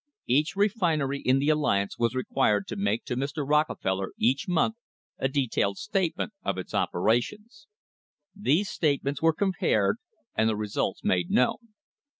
Each refinery in the alliance was required to make to Mr. Rockefeller each month a detailed statement of its operations. These statements were compared and the results made known.